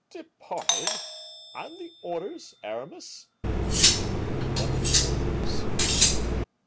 "'Departed!' And the orders, Aramis?" "What orders?"